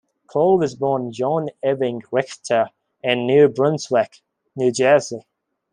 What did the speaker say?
Cole was born John Ewing Richter in New Brunswick, New Jersey.